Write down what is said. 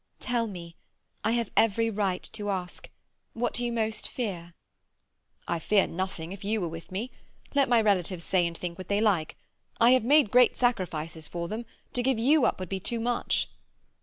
"Tell me—I have every right to ask—what you most fear?" "I fear nothing if you are with me. Let my relatives say and think what they like. I have made great sacrifices for them; to give up you would be too much."